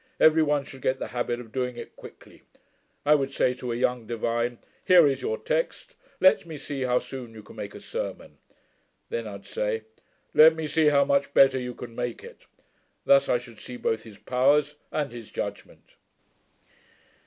Every one should get the habit of doing it quickly. I would say to a young divine, "Here is your text; let me see how soon you can make a sermon." Then I'd say, "Let me see how much better you can make it." Thus I should see both his powers and his judgement.'